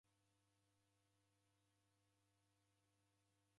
Wajaa vindo vingi!.